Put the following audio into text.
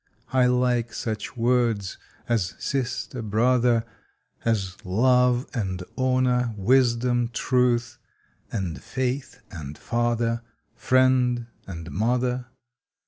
I like such words as Sister, Brother, As Love, and Honor, Wisdom, Truth, and Faith, and Father, Friend, and Mother.